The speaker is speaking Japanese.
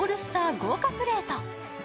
豪華プレート。